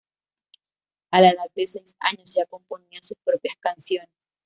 A la edad de seis años ya componía sus propias canciones.